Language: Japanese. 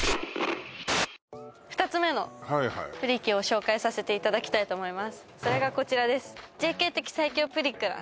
２つ目のプリ機を紹介させていただきたいと思います